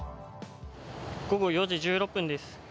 午後４時１６分です。